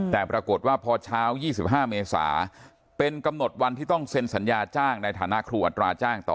แต่ปรากฏว่าพอเช้า๒๕เมษาเป็นกำหนดวันที่ต้องเซ็นสัญญาจ้างในฐานะครูอัตราจ้างต่อ